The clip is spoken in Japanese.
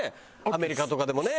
アメリカとかでもね。